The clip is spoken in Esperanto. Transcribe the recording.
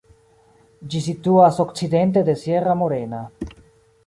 Ĝi situas okcidente de Sierra Morena.